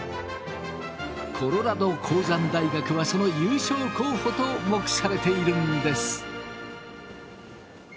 コロラド鉱山大学はその優勝候補と目されているんです。